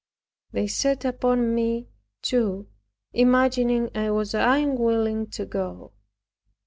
They set upon me, too, imagining I was unwilling to go.